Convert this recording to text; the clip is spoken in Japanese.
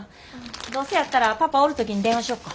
どうせやったらパパおる時に電話しよっか。